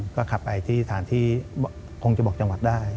ก็ขับไปที่สถานที่คงจะบอกจังหวัดได้